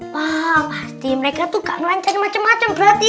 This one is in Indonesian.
paham pasti mereka tuh gak rencana macem macem berarti